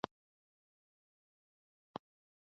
په هر حال کې یې وساتو.